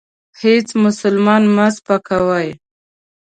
هیڅ مسلمان مه سپکوئ.